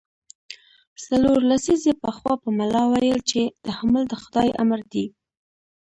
څلور لسیزې پخوا به ملا ویل چې تحمل د خدای امر دی.